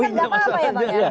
sarannya apa ya bang ya